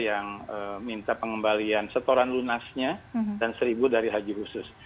yang minta pengembalian setoran lunasnya dan seribu dari haji khusus